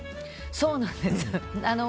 そうなんです。